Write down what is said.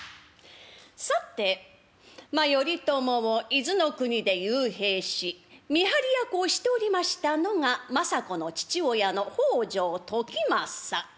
さてまあ頼朝を伊豆の国で幽閉し見張り役をしておりましたのが政子の父親の北条時政。